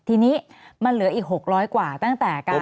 ทีนี้มันเหลืออีก๖๐๐กว่าตั้งแต่การ